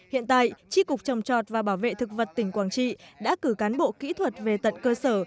hiện tại tri cục trồng trọt và bảo vệ thực vật tỉnh quảng trị đã cử cán bộ kỹ thuật về tận cơ sở